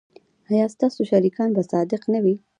ایا ستاسو شریکان به صادق نه وي؟